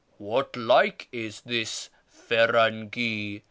' What like is this rirangi ?